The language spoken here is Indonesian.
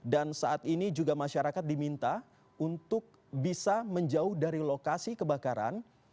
saat ini juga masyarakat diminta untuk bisa menjauh dari lokasi kebakaran